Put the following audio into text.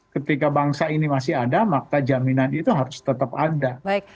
ketika bangsa ini masih ada maka jaminan itu harus tetap ada